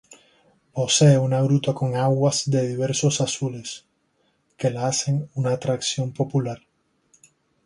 Posee una gruta con aguas de diversos azules, que la hacen una atracción popular.